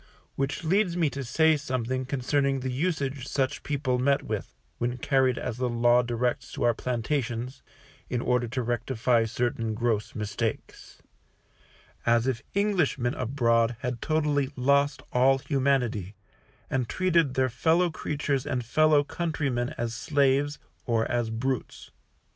Which leads me to say something concerning the usage such people met with, when carried as the Law directs to our plantations, in order to rectify certain gross mistakes; as if Englishmen abroad had totally lost all humanity, and treated their fellow creatures and fellow countrymen as slaves, or as brutes.